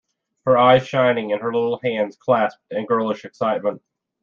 Her eyes shining and her little hands clasped in girlish excitement.